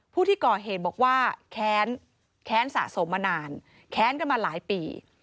ผู้ที่ก่อเหตุบอกว่าแค้นแค้นสะสมมานานแค้นกันมาหลายปี